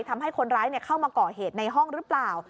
ทำให้คนร้ายเข้ามาก่อเหตุในห้องหรือเปล่า